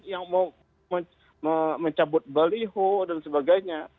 yang mau mencabut baliho dan sebagainya